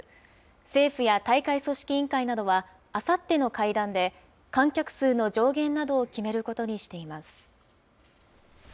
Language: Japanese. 政府や大会組織委員会などは、あさっての会談で観客数の上限などを決めることにしています。